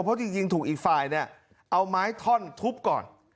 เพราะจริงถูกอีกฝ่ายเนี่ยเอาไม้ท่อนทุบก่อน